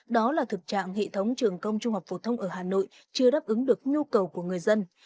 đó là thực trạng hệ thống trường công trung học phổ thông ở hà nội chưa đáp ứng được nhu cầu của người dân